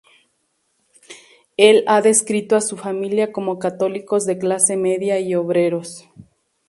Él ha descrito a su familia como católicos de clase media y obreros.